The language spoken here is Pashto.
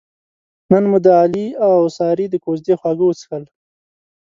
نن مو د علي اوسارې د کوزدې خواږه وڅښل.